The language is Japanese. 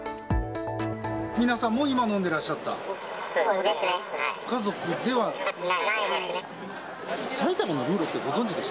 皆さんも今、飲んでらっしゃそうです。